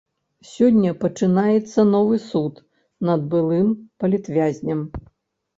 Сёння пачынаецца новы суд над былым палітвязням.